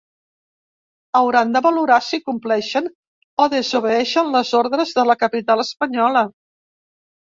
Hauran de valorar si compleixen o desobeeixen les ordres de la capital espanyola.